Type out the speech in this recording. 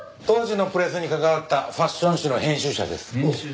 当時のプレスに関わったファッション誌の編集者です。